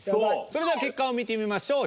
それでは結果を見てみましょう。